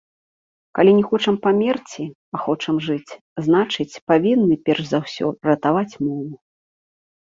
Калі не хочам памерці, а хочам жыць, значыць, павінны перш за ўсё ратаваць мову.